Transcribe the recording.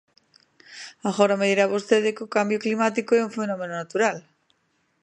Agora me dirá vostede que o cambio climático é un fenómeno natural.